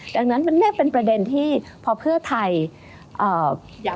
ดังนั้นมันเนี่ยเป็นประเด็นที่พอเพื่อไทย